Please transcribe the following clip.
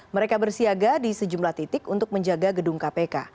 mereka bersiaga di sejumlah titik untuk menjaga gedung kpk